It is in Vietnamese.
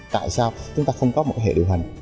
tại sao chúng ta không có một hệ điều hành